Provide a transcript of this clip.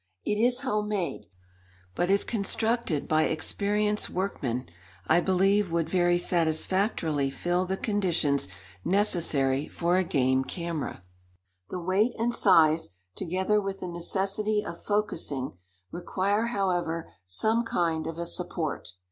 It is home made; but, if constructed by experienced workmen, I believe would very satisfactorily fill the conditions necessary for a game camera. The weight and size, together with the necessity of focusing, require, however, some kind of a support.